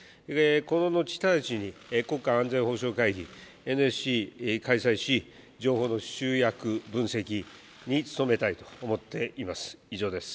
この後直ちに、国家安全保障会議・ＮＳＣを開催し、情報の集約、分析に努めたいと思っています。